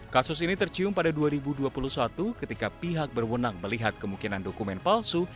kasus ini tercium pada dua ribu dua puluh satu ketika pihak berwenang melihat kemungkinan dokumen palsu